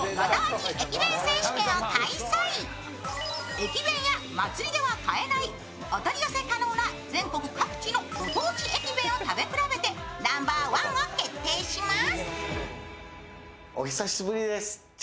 駅弁屋祭では買えないお取り寄せ可能な全国各地のご当地駅弁を食べ比べてナンバーワンを決定します。